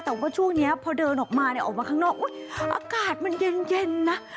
แต่ว่าช่วงนี้พอเดินออกมาเนี่ยออกมาข้างนอกอากาศมันเย็นนะ